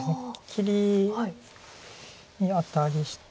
切りにアタリして。